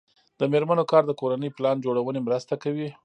د میرمنو کار د کورنۍ پلان جوړونې مرسته کوي.